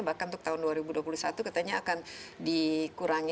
bahkan untuk tahun dua ribu dua puluh satu katanya akan dikurangi